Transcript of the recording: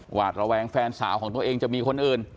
หวาดระแวงแฟนสาวของตัวเองจะมีคนอื่น